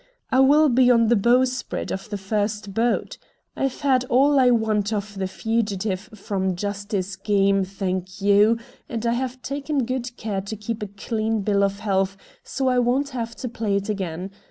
I will be on the bowsprit of the first boat. I've had all I want of the 'fugitive from justice' game, thank you, and I have taken good care to keep a clean bill of health so that I won't have to play it again.